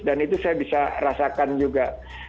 dan itu saya bisa rasakan juga